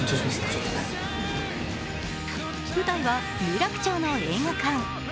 舞台は有楽町の映画館。